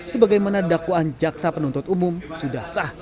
sebagaimana dakwaan jaksa penuntut umum sudah sah